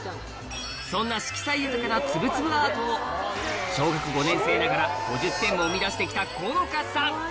そんな色彩豊かなつぶつぶアートを小学５年生ながら５０点も生み出してきたＣｏｎｏｃａさん